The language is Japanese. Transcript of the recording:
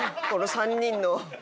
この３人の。